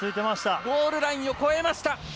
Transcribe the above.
ゴールラインを越えました。